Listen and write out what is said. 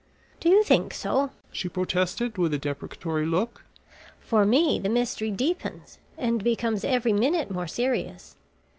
"Do you think so," she protested, with a deprecatory look. "For me the mystery deepens, and becomes every minute more serious.